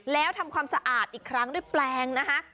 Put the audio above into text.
แล้วทำความสะอาดอีกครั้งด้วยแปลงนะคะ